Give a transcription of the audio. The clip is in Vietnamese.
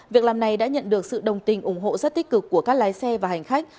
việc làm này đã nhận được sự đồng tình ủng hộ rất tích cực của các lái xe và hành khách